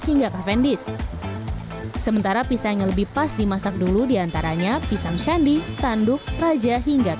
hingga kafeindis sementara pisang yang lebih pas dimasak dulu diantaranya pisang candi tanduk raja hingga